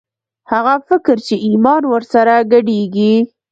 هغه فکر چې ایمان ور سره ګډېږي